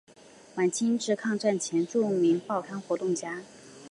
晚清至抗战前著名报刊活动家。